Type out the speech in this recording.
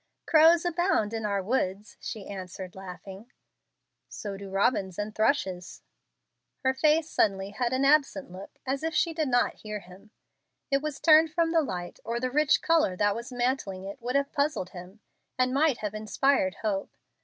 "Crows abound in our woods," she answered, laughing. "So do robins and thrushes." Her face suddenly had an absent look as if she did not hear him. It was turned from the light, or the rich color that was mantling it would have puzzled him, and might have inspired hope.